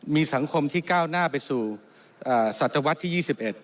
มีสังคมที่ก้าวหน้าไปสู่ศตวรรษที่๒๑